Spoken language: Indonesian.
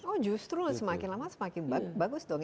oh justru semakin lama semakin bagus dong